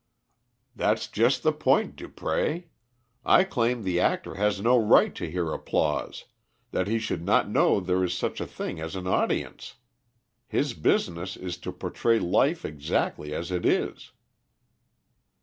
"That's just the point, Dupré. I claim the actor has no right to hear applause that he should not know there is such a thing as an audience. His business is to portray life exactly as it is."